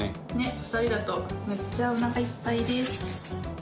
２人だとめっちゃおなかいっぱいです。